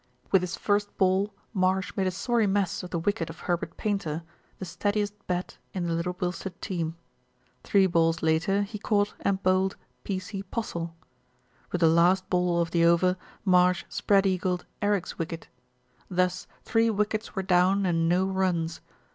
With his first ball Marsh made a sorry mess of the wicket of Herbert Painter, the steadiest bat in the Little Bilstead team. Three balls later he caught and bowled P.C. Postle. With the last ball of the over Marsh spread eagled Eric's wicket. Thus three SMITH BECOMES A POPULAR HERO 207 wickets were down and no runs.